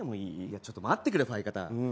いやちょっと待ってくれファイ方。